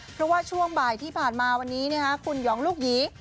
เพราะว่าช่วงบ่ายที่ผ่านมาวันนี้คุณหยองลูกหยี